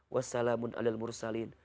wasalamun ala almursalin